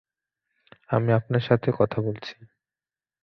আমি আপনার সাথে কথা বলছি!